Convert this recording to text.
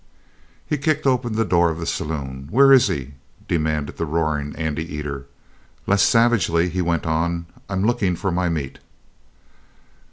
He kicked open the door of the saloon. "Where is he?" demanded the roaring Andy eater. Less savagely, he went on: "I'm lookin' for my meat!"